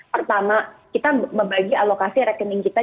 pertama kita membagi alokasi rekening kita